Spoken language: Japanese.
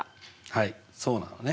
はいそうなのね。